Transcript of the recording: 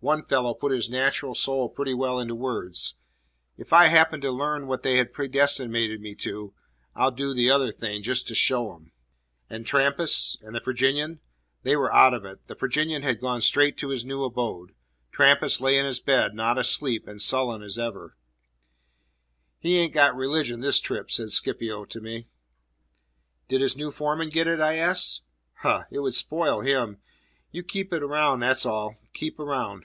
One fellow put his natural soul pretty well into words, "If I happened to learn what they had predestinated me to do, I'd do the other thing, just to show 'em!" And Trampas? And the Virginian? They were out of it. The Virginian had gone straight to his new abode. Trampas lay in his bed, not asleep, and sullen as ever. "He ain't got religion this trip," said Scipio to me. "Did his new foreman get it?" I asked. "Huh! It would spoil him. You keep around, that's all. Keep around."